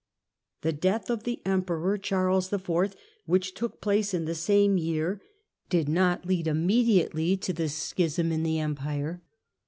The death of the Emperor Charles IV., which took place in the same year, did not lead immediately to the Schism in the Empire.